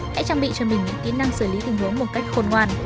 hãy trang bị cho mình những kỹ năng xử lý tình huống một cách khôn ngoan